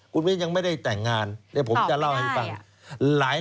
คุณวิ่นยังไม่ได้แต่งงานผมจะเล่าให้บ้าง